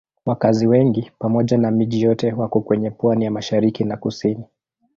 Wakazi wengi pamoja na miji yote wako kwenye pwani ya mashariki na kusini.